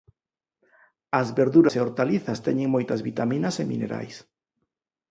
As verduras e hortalizas teñen moitas vitaminas e minerais.